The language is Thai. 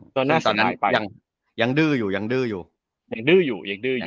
ตอนนั้นยังดื้ออยู่